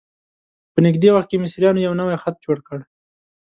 په نږدې وخت کې مصریانو یو نوی خط جوړ کړ.